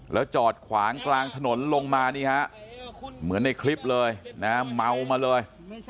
แล้วจอดขวางกลางถนนลงมานี่ฮะเหมือนในคลิปเลยนะเมามาเลย